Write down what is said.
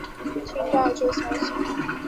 听到这消息